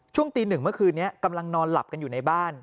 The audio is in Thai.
ตีหนึ่งเมื่อคืนนี้กำลังนอนหลับกันอยู่ในบ้าน